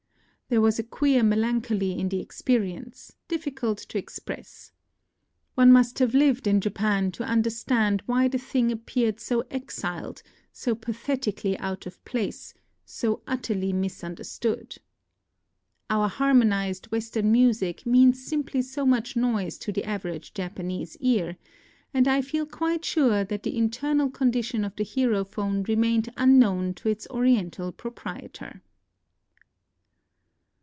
There was a queer melancholy in the experience, difficult to ex press. One must have lived in Japan to understand why the thing appeared so exiled, so pathetically out of place, so utterly misun 54 NOTES OF A TRIP TO KYOTO derstood. Our harmonized Western music means simply so much noise to the average Japanese ear ; and I felt quite sure that the internal condition of the herophone remained unknown to its Oriental proprietor.